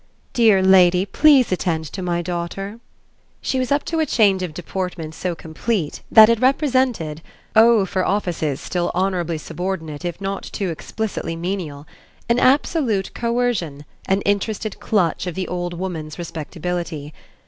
"Dear lady, please attend to my daughter." She was up to a change of deportment so complete that it represented oh for offices still honourably subordinate if not too explicitly menial an absolute coercion, an interested clutch of the old woman's respectability.